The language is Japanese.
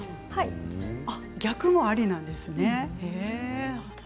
逆もありなんですね。